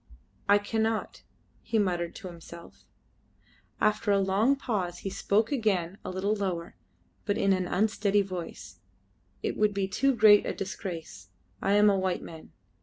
"I cannot," he muttered to himself. After a long pause he spoke again a little lower, but in an unsteady voice, "It would be too great a disgrace. I am a white man."